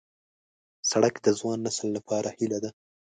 سړک د ځوان نسل لپاره هیله ده.